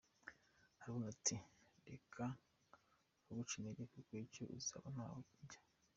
Haruna ati “ Reka abaguca intege kuko icyo uzaba ntaho kijya.